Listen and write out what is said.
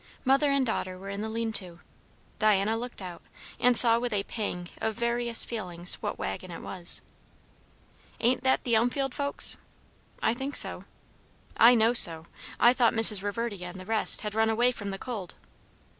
Mother and daughter were in the lean to. Diana looked out, and saw with a pang of various feelings what waggon it was. "Ain't that the Elmfield folks?" "I think so." "I know so. I thought Mrs. Reverdy and the rest had run away from the cold."